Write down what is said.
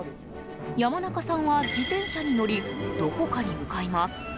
山中さんは自転車に乗りどこかに向かいます。